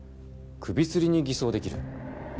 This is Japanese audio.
首つりに偽装できる。